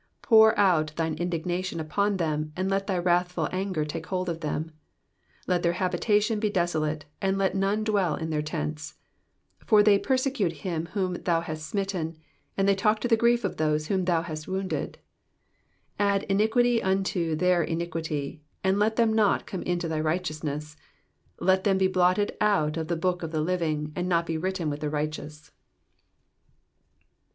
24 Pour out thine indignation upon them, and let thy wrath ful anger take hold of them. 25 Let their habitation be desolate ; and let none dwell in their tents. 26 For they persecute him whom thou hast smitten ; and they talk to the grief of those whom thou hast wounded. 27 Add iniquity unto their iniquity : and let them not come into thy righteousness. 28 Let them be blotted out of the book of the living, and not be written with the righteous.